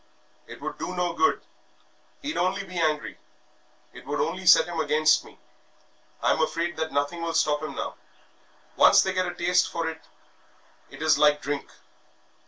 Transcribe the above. "It would do no good, he'd only be angry; it would only set him against me. I am afraid that nothing will stop him now. Once they get a taste for it it is like drink.